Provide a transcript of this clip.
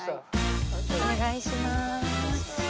お願いします。